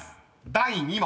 第２問］